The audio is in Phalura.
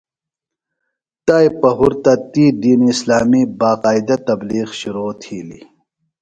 تائی پہُرتہ تی دینی اِسلامی باقائدہ تبلیغ شِرو تِھلیۡ.